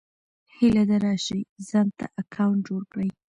هيله ده راشٸ ځانته اکونټ جوړ کړى